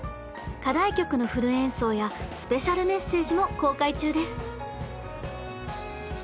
課題曲のフル演奏やスペシャルメッセージも公開中です！